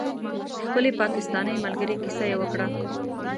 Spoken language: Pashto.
د خپلې پاکستانۍ ملګرې کیسه یې وکړه.